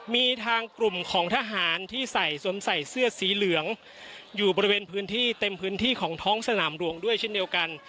มีทางกลุ่มของทหารที่ใส่สวมใส่เสื้อสีเหลืองอยู่บริเวณพื้นที่เต็มพื้นที่ของท้องสนามหลวงด้วยเช่นเดียวกัน